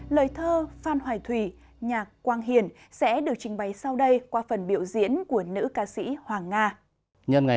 lời thơ phan hoài thủy nhạc quang hiền sẽ được trình bày sau đây qua phần biểu diễn của nữ ca sĩ hoàng nga